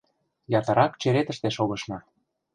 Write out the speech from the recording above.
Ятырак черетыште шогышна.